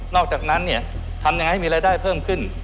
อกจากนั้นเนี่ยทำยังไงให้มีรายได้เพิ่มขึ้น